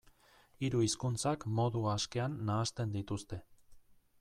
Hiru hizkuntzak modu askean nahasten dituzte.